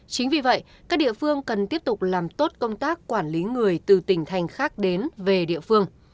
chính vì vậy các địa phương cần tiếp tục làm tốt công tác quản lý người từ tỉnh thành khác đến về địa phương